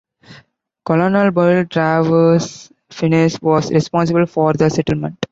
Colonel Boyle Travers Finniss was responsible for the settlement.